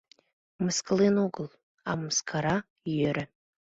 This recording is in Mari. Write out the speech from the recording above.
Мыскылен огыл, а мыскара йӧре.